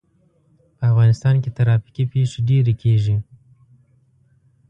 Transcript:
په افغانستان کې ترافیکي پېښې ډېرې کېږي.